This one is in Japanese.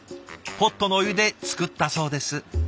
ポットのお湯で作ったそうです。